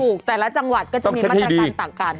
แต่ละจังหวัดก็จะมีมาตรการต่างกัน